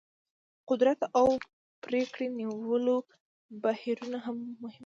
قدرت او پرېکړې نیولو بهیرونه مهم دي.